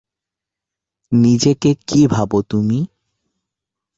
নিজেকে কি ভাবো তুমি?